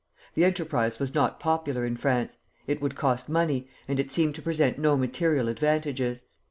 The enterprise was not popular in France. It would cost money, and it seemed to present no material advantages.